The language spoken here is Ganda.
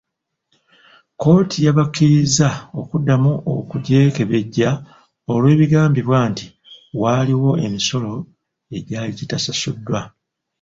Kkooti yabakkiriza okuddamu okugyekebejja olw’ebigambibwa nti waliwo emisolo egyali gitasasuddwa.